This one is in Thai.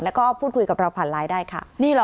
แล้วก็พูดคุยกับเราผ่านไลน์ได้ค่ะ